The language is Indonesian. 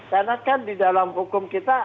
karena kan di dalam hukum kita